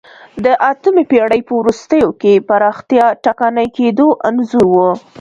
د اتمې پېړۍ په وروستیو کې پراختیا ټکنۍ کېدو انځور و